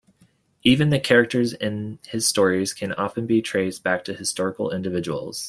Even the characters in his stories can often be traced back to historical individuals.